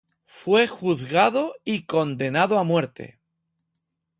Fue juzgado y condenado a muerte.